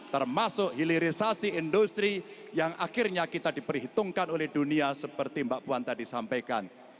termasuk hilirisasi industri yang akhirnya kita diperhitungkan oleh dunia seperti mbak puan tadi sampaikan